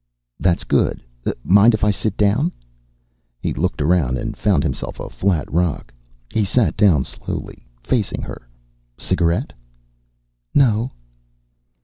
"That's good. Mind if I sit down?" He looked around and found himself a flat rock. He sat down slowly, facing her. "Cigarette?" "No."